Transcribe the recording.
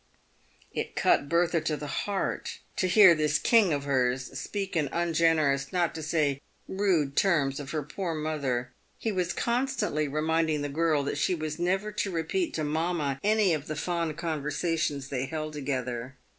It cut Bertha to the heart to hear this king of hers speak in un generous, not to say rude, terms of her poor mother. He was con stantly reminding the girl that she was never to repeat to mamma any of the fond conversations they held together.